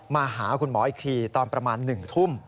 มาหาคุณหมออีกทีตอนประมาณ๑ทุ่ม